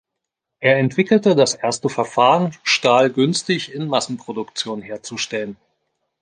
Er entwickelte das erste Verfahren, Stahl günstig in Massenproduktion herzustellen.